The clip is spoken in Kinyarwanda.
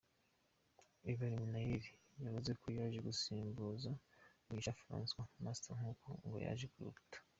Ivan Minaert yavuze ko yaje gusimbuza Mugisha Francois Master kuko ngo yaje kuruha